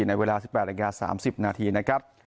ในเวลา๑๘นาที๓๐นาทีนะครับ